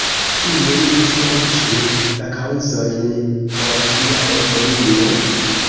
Kie ni serĉu la kaŭzojn por tia evoluo?